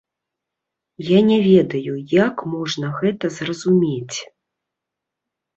Я не ведаю, як можна гэта зразумець.